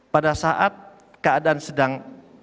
pada saat keadaan sedang